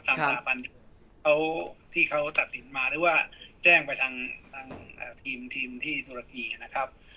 สถาบันเขาที่เขาตัดสินมาหรือว่าแจ้งไปทางทีมที่ตุรกีนะครับ